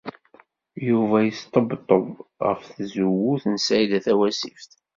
Yuba yesṭebṭeb ɣef tzewwut n Saɛida Tawasift.